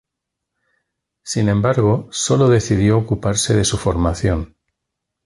Sin embargo, sólo decidió ocuparse de su formación.